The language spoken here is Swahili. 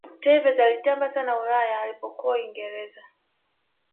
tevez alitamba sana ulaya alipokuwa uingereza